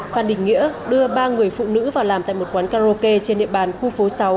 phan đình nghĩa đưa ba người phụ nữ vào làm tại một quán karaoke trên địa bàn khu phố sáu